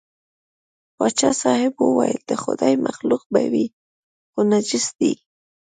پاچا صاحب وویل د خدای مخلوق به وي خو نجس دی.